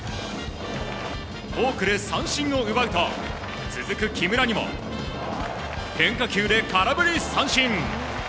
フォークで三振を奪うと続く木村にも変化球で空振り三振。